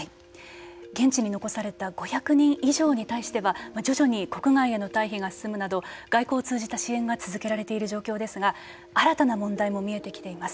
現地に残された５００人以上に対しては徐々に国外への退避が進むなど外交を通じた支援が続けられている状況ですが新たな問題も見えてきています。